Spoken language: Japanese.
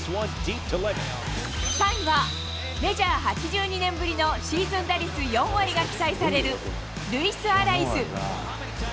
３位は、メジャー８２年ぶりのシーズン打率４割が期待されるルイス・アライズ。